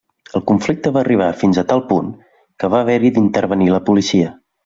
El conflicte va arribar fins a tal punt que va haver-hi d’intervenir la policia.